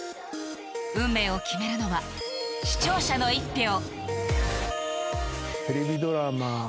運命を決めるのは視聴者の１票。